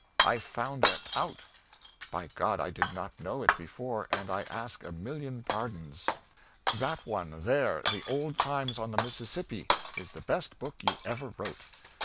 I have found it out! By God, I did not know it before, and I ask a million pardons! That one there, the 'Old Times on the Mississippi,' is the best book you ever wrote!"